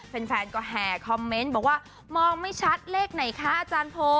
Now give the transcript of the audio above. แฟนก็แห่คอมเมนต์บอกว่ามองไม่ชัดเลขไหนคะอาจารย์โพ